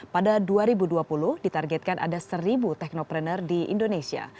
pada dua ribu dua puluh ditargetkan ada seribu teknopreneur di indonesia